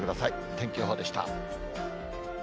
天気予報でした。